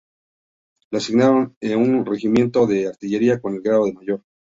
Lo asignaron a un regimiento de artillería, con el grado de mayor.